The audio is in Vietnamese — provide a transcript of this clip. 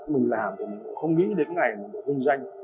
mình làm cũng không nghĩ đến ngày mình được vinh danh